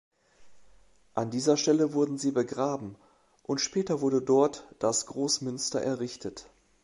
An dieser Stelle wurden sie begraben, und später wurde dort das Grossmünster errichtet.